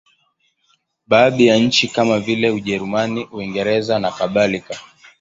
Baadhi ya nchi kama vile Ujerumani, Uingereza nakadhalika.